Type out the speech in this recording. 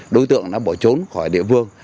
đối tượng đã bỏ trốn khỏi địa vương